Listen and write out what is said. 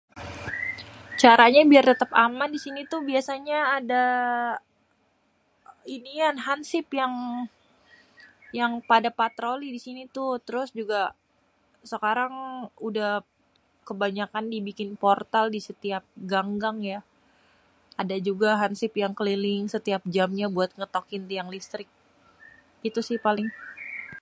Caranya biar tétép aman di sini tuh biasanya ada inian hansip yang, yang pada patroli di sini tuh. Terus juga sekarang udah kebanyakan dibikin portal di setiap gang-gang ya. Ada juga hansip yang keliling setiap jamnya buat ngetokin tiang listrik. Itu sih paling.